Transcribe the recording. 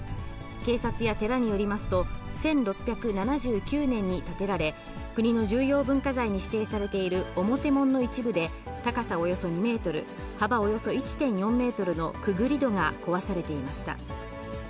警察や寺によりますと、１６７９年に建てられ、国の重要文化財に指定されている表門の一部で、高さおよそ２メートル、幅およそ１．４メートルのくぐり戸が壊されていました。